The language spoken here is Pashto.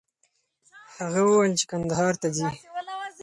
هغه وویل چې کندهار ته ځي.